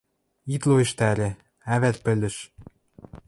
Ит лоэштӓрӹ, ӓвӓт пӹлӹш!..